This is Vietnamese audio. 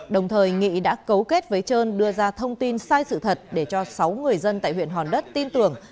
đồng thời nghị đã cấu kết với trơn đưa ra thông tin sai sự thật để cho sáu người dân tại huyện hòn đất tin tưởng